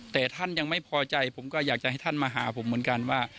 แต่ท่านยังไม่พอใจผมก็อยากจะให้ท่านมาหาผมเหมือนกันว่า